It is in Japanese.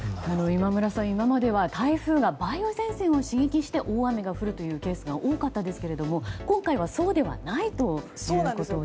今村さん、今までは台風が梅雨前線を刺激して大雨が降るというケースが多かったですが今回はそうではないということですね。